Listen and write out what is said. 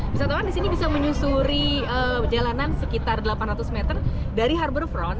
wisatawan di sini bisa menyusuri jalanan sekitar delapan ratus meter dari harbor front